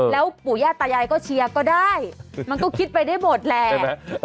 แล้วปู่ย่าตายายก็เชียร์ก็ได้มันก็คิดไปได้หมดแหละ